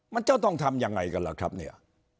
มันจะต้องทำยังไงกันล่ะครับเนี่ย